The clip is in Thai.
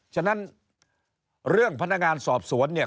ฉะนั้นเรื่องพนักงานสอบสวนเนี่ย